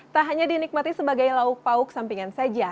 tak hanya dinikmati sebagai lauk pauk sampingan saja